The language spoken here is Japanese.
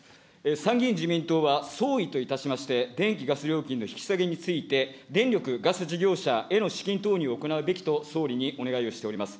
参議院自民党は、総意といたしまして、電気・ガス料金の引き下げについて、電力・ガス事業者への資金投入を行うべきと、総理にお願いをしております。